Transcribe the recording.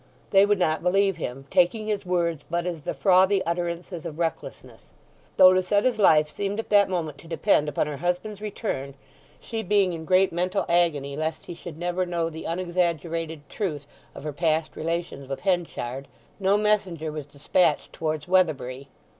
They would not believe him, taking his words but as the frothy utterances of recklessness. Though Lucetta's life seemed at that moment to depend upon her husband's return (she being in great mental agony lest he should never know the unexaggerated truth of her past relations with Henchard), no messenger was despatched towards Weatherbury.